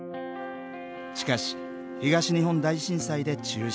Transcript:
しかし東日本大震災で中止。